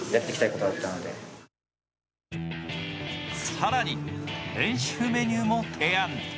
更に練習メニューも提案